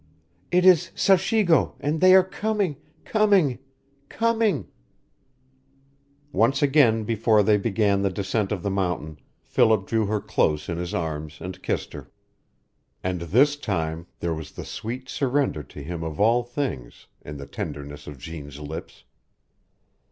"It is Sachigo, and they are coming coming coming " Once again before they began the descent of the mountain Philip drew her close in his arms, and kissed her. And this time there was the sweet surrender to him of all things in the tenderness of Jeanne's lips.